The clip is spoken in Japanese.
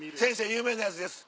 有名なやつです